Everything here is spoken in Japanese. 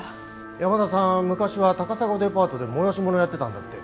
山田さん昔は高砂デパートで催し物やってたんだって。